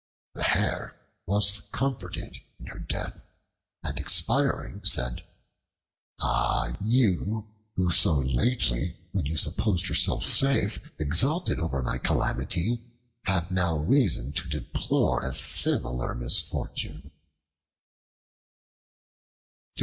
The Hare was comforted in her death, and expiring said, "Ah! you who so lately, when you supposed yourself safe, exulted over my calamity, have now reason to deplore a similar misfortune."